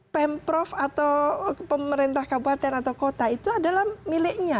pemprov atau pemerintah kabupaten atau kota itu adalah miliknya